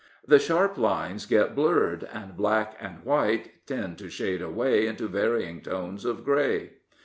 The sharp lines get blurred, and black and white tend to shade away into varying tones of grey.